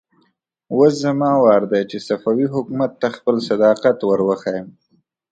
اوس زما وار دی چې صفوي حکومت ته خپل صداقت ور وښيم.